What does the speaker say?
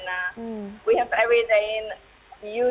ada perbedaan seperti sudah beberapa hari